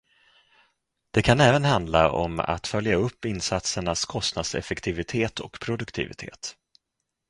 Det kan även handla om att följa upp insatsernas kostnadseffektivitet och produktivitet.